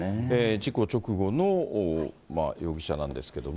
事故直後の容疑者なんですけども。